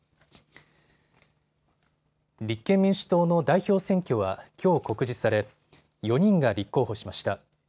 立憲民主党の代表選挙はきょう告示され４人が立候補しました。